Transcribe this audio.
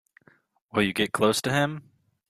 Will you get close to him?